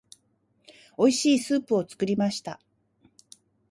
美味しいスープを作りました。